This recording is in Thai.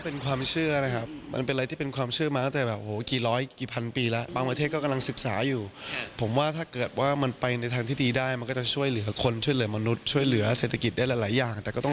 เป็นความเชื่อนะครับมันเป็นอะไรที่เป็นความเชื่อมา